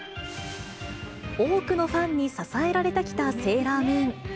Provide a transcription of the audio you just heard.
多くのファンに支えられてきたセーラームーン。